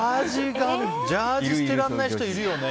ジャージー捨てられない人いるよね。